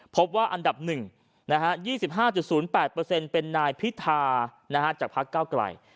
พบว่าอันดับ๑๒๕๐๘เป็นนายพิธาจากพักเก้าไกล